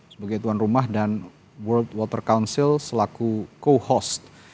sebagai tuan rumah dan world water council selaku co host